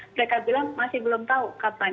mereka bilang masih belum tahu kapan